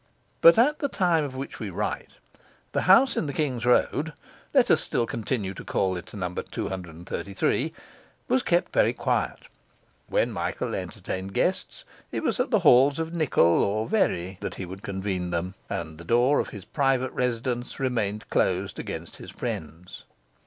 But at the time of which we write the house in the King's Road (let us still continue to call it No. 233) was kept very quiet; when Michael entertained guests it was at the halls of Nichol or Verrey that he would convene them, and the door of his private residence remained closed against his friends.